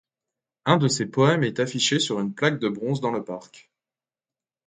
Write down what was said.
Un de ses poèmes est affiché sur une plaque de bronze dans le parc.